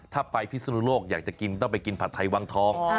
ถ้าไปพิศนุโลกอยากจะกินต้องไปกินผัดไทยวังทอง